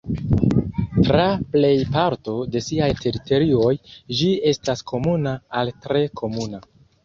Tra plej parto de siaj teritorioj, ĝi estas komuna al tre komuna.